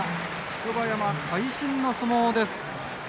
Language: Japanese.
竹葉山、会心の相撲です。